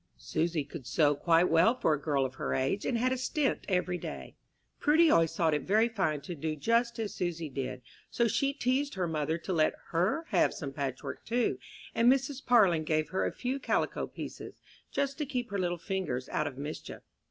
Susy could sew quite well for a girl of her age, and had a stint every day. Prudy always thought it very fine to do just as Susy did, so she teased her mother to let her have some patchwork, too, and Mrs. Parlin gave her a few calico pieces, just to keep her little fingers out of mischief.